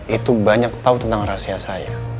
itu banyak tahu tentang rahasia saya